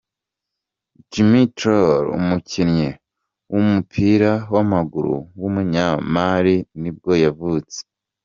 Djimi Traoré, umukinnyi w’umupira w’amaguru w’umunyamali nibwo yavutse.